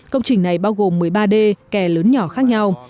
công trình này bao gồm một mươi ba d kè lớn nhỏ khác nhau